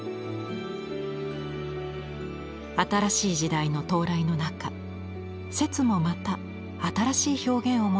新しい時代の到来の中摂もまた新しい表現を求め動き始めます。